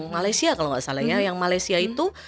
malaysia kalau nggak salahnya yang malaysia itu